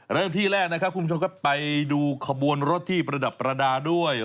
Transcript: เริ่มที่แรกนะครับคุณผู้ชมครับไปดูขบวนรถที่ประดับประดาษด้วย